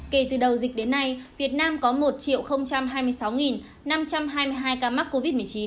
kể từ đầu dịch đến nay việt nam có một hai mươi sáu năm trăm hai mươi hai ca mắc covid một mươi chín